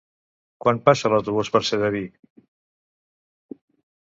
Quan passa l'autobús per Sedaví?